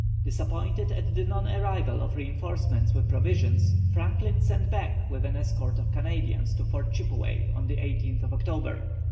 Disappointed at the non arrival of reinforcements with provisions, Franklin sent Back with an escort of Canadians to Fort Chippeway on the 18th October.